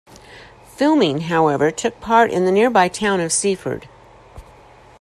Filming however, took part in the nearby town of Seaford.